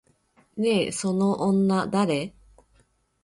ねえ、その女誰？